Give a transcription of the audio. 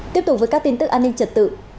tiếp tục với các tin tức an ninh trật tự